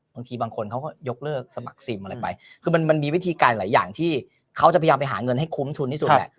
บางทีบางคนเขาก็ยกเลิกสมัครซิมอะไรไปคือมันมีวิธีการหลายอย่างที่เขาจะพยายามไปหาเงินให้คุ้มทุนที่สุดแหละ